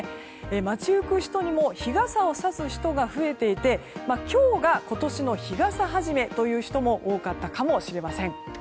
街行く人にも日傘をさす人が増えていて今日が今年の日傘初めという人も多かったかもしれません。